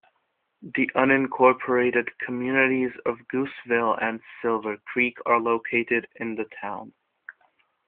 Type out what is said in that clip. The unincorporated communities of Gooseville and Silver Creek are located in the town.